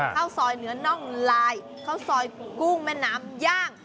ข้าวซอยเนื้อน่องลายข้าวซอยกุ้งแม่น้ำย่าง